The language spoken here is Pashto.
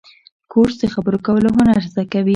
کورس د خبرو کولو هنر زده کوي.